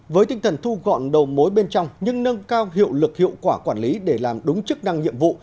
với tinh thần thu gọn đầu mối bên trong nhưng nâng cao hiệu lực hiệu quả quản lý để làm đúng chức năng nhiệm vụ